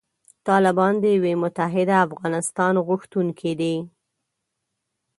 طالبان د یوې متحدې افغانستان غوښتونکي دي.